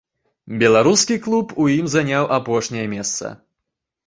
Беларускі клуб у ім заняў апошняе месца.